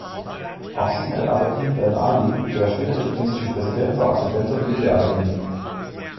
Auch Zine el-Abidine Ben Ali, der spätere tunesische Präsident war Absolvent der Militärakademie.